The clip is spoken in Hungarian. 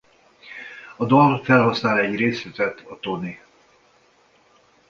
A dal felhasznál egy részletet a Tony!